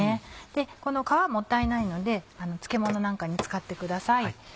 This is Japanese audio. この皮もったいないので漬物なんかに使ってください。